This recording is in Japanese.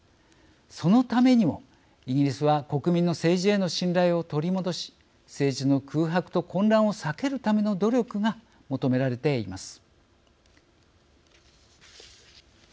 そのためにもイギリスは国民の政治への信頼を取り戻し政治の空白と混乱を避けるための努力が求められています。